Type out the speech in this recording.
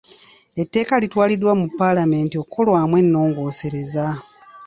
Etteeka litwaliddwa mu paalamenti okukolwamu ennongoosereza.